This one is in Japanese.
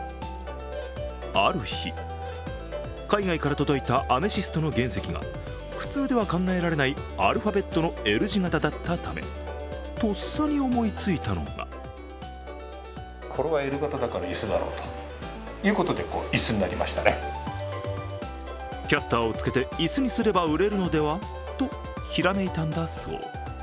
ある日、海外から届いたアメシストの原石が普通では考えられないアルファベットのＬ字型だったためとっさに思いついたのがキャスターをつけて椅子にすれば売れるのではと、ひらめいたんだそう。